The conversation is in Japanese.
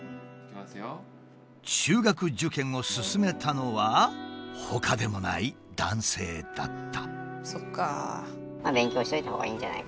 中学受験を勧めたのはほかでもない男性だった。